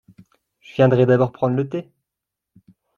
Je viendrai d’abord prendre le thé…